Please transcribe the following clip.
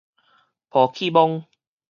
抱去摸